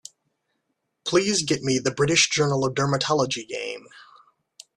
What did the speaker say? Please get me the British Journal of Dermatology game.